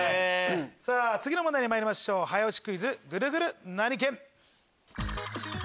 さぁ次の問題にまいりましょう早押しクイズグルグル何県？